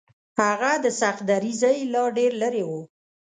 هغه د سختدریځۍ لا ډېر لرې و.